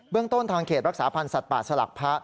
เรื่องต้นทางเขตรักษาพันธ์สัตว์ป่าสลักพระ